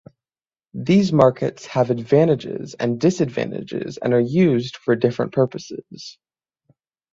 These markers have advantages and disadvantages and are used for different purposes.